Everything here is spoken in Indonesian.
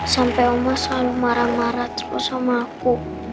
sampai oma selalu marah marah sama aku